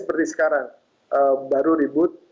seperti sekarang baru reboot